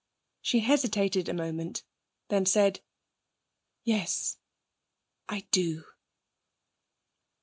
She hesitated a moment, then said: 'Yes, I do.'